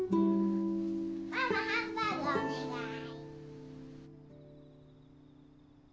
ママハンバーグお願い。